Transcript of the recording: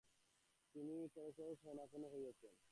তখন তিনি পরেশবাবুর শরণাপন্ন হইলেন।